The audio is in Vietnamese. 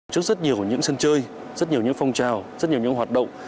trước rất nhiều những sân chơi rất nhiều những phong trào rất nhiều những hoạt động